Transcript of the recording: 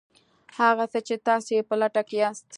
هغه څه چې تاسې یې په لټه کې یاست